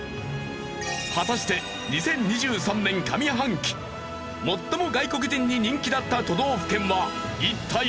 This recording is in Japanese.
果たして２０２３年上半期最も外国人に人気だった都道府県は一体どこだ？